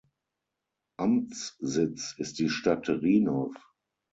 Amtssitz ist die Stadt Rhinow.